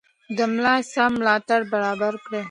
د ملا سم ملاتړ برابر کړئ.